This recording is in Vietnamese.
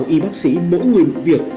sáu y bác sĩ mỗi người một việc